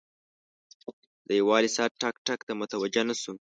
د دیوالي ساعت ټک، ټک ته متوجه نه شو.